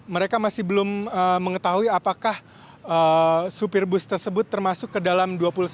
mereka masih belum mengetahui apakah supir bus tersebut termasuk kedalam dua puluh satu orang yang meninggal